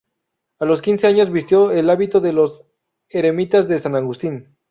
A los quince años vistió el hábito de los Eremitas de San Agustín.